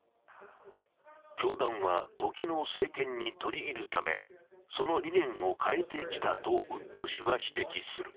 教団は、時の政権に取り入るためその理念を変えてきたとウッド氏は指摘する。